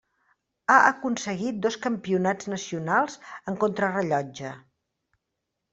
Ha aconseguit dos Campionats nacionals en contrarellotge.